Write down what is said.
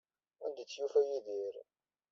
Anda ay t-id-yufa Yidir?